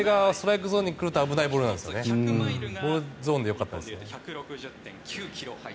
あれがストライクゾーンに来ると危ないのでボールゾーンでよかったです。